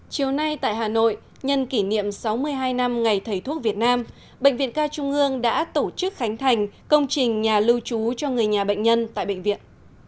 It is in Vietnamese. chiều nay tại hà nội nhân kỷ niệm sáu mươi hai năm ngày thầy thuốc việt nam bệnh viện ca trung ương đã tổ chức khánh thành công trình nhà lưu trú cho người nhà bệnh nhân tại bệnh viện